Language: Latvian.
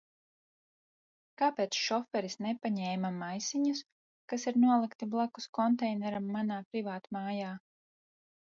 Kāpēc šoferis nepaņēma maisiņus, kas ir nolikti blakus konteineram manā privātmājā?